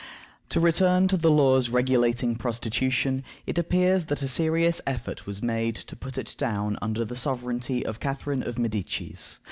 To return to the laws regulating prostitution, it appears that a serious effort was made to put it down under the sovereignty of Catharine of Medicis.